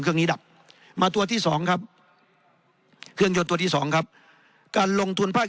เครื่องนี้ดับมาตัวที่สองครับเครื่องยนต์ตัวที่สองครับการลงทุนภาค